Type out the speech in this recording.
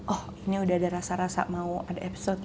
oh ini udah ada rasa rasa mau ada episode